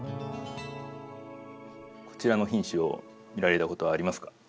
こちらの品種を見られたことはありますか？